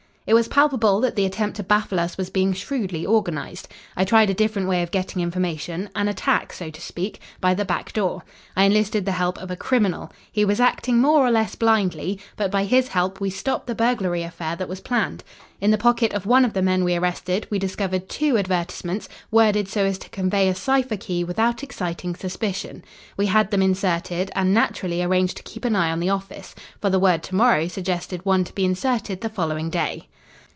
"It was palpable that the attempt to baffle us was being shrewdly organised. I tried a different way of getting information an attack, so to speak, by the back door. I enlisted the help of a criminal. He was acting more or less blindly, but by his help we stopped the burglary affair that was planned. In the pocket of one of the men we arrested, we discovered two advertisements, worded so as to convey a cipher key without exciting suspicion. We had them inserted, and naturally arranged to keep an eye on the office for the word to morrow suggested one to be inserted the following day.